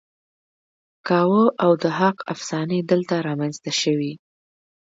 کاوه او ضحاک افسانې دلته رامینځته شوې